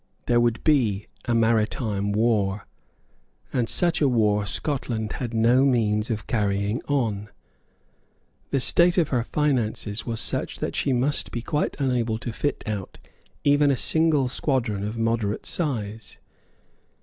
There would be a maritime war; and such a war Scotland had no means of carrying on. The state of her finances was such that she must be quite unable to fit out even a single squadron of moderate size.